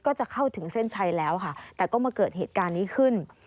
ก็จะเข้าถึงเส้นชัยแล้วค่ะแต่ก็มาเกิดเหตุการณ์นี้ขึ้น